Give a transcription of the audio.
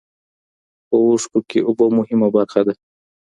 په اوښکو کې اوبه مهمه برخه ده.